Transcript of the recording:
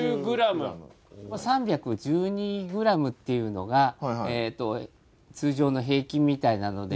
３１２グラムっていうのが通常の平均みたいなので。